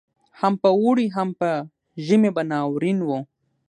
هم په اوړي هم په ژمي به ناورین وو